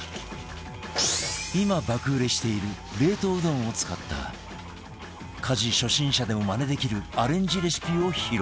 今爆売れしている冷凍うどんを使った家事初心者でもマネできるアレンジレシピを披露